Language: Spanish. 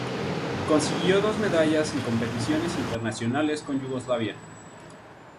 Consiguió dos medallas en competiciones internacionales con Yugoslavia.